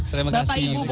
bapak ibu boleh saya mau